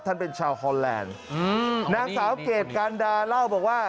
เป็นชาวฮอนแลนด์นางสาวเกรดการดาเล่าบอกว่า